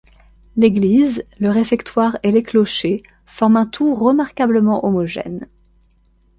L'église, le réfectoire et les clochers forment un tout remarquablement homogène.